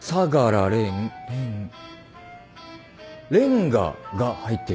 レンレンガが入ってる。